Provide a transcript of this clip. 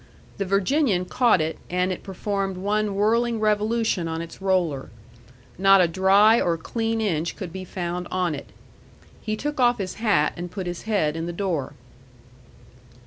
The Virginian caught it, and it performed one whirling revolution on its roller. Not a dry or clean inch could be found on it. He took off his hat, and put his head in the door.